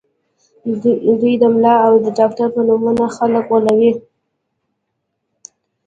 دوی د ملا او ډاکټر په نومونو خلک غولوي